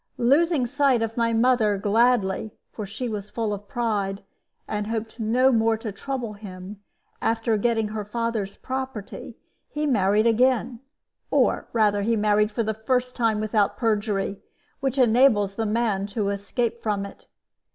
Losing sight of my mother gladly for she was full of pride, and hoped no more to trouble him, after getting her father's property he married again, or rather he married for the first time without perjury, which enables the man to escape from it.